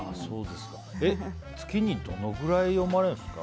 月にどのくらい読まれるんですか？